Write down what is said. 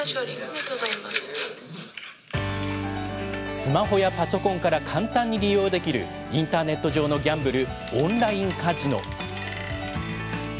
スマホやパソコンから簡単に利用できるインターネット上のギャンブル「オンラインカジノ」。